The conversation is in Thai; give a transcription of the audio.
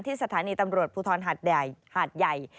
ที่สถานีตำรวจภูทรหาดใหญ่